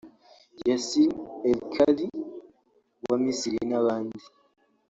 Yasser ElKady wa Misiri n’abandi